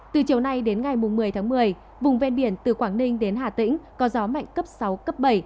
từ chiều nay đến ngày một mươi tháng một mươi vùng ven biển từ quảng ninh đến hà tĩnh có gió mạnh cấp sáu cấp bảy